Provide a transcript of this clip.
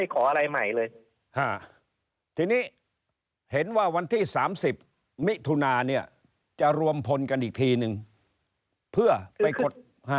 การอีกทีนึงเพื่อไปกด